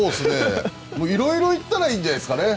いろいろいったらいいんじゃないですかね。